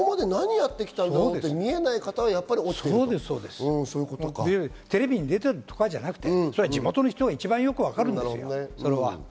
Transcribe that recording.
見えない方はやっぱり落ちてる、そういうテレビに出てるとかじゃなくて地元の人が一番よくわかる。